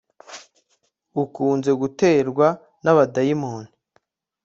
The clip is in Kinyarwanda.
ukunze guterwa n abadayimoni